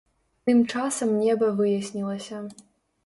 Тым часам неба выяснілася.